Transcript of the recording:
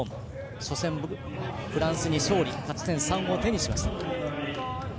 初戦はフランスに勝利勝ち点３を手にしました。